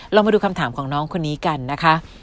มาดูคำถามของน้องคนนี้กันนะคะ